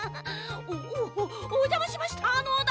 おおおじゃましましたのだ！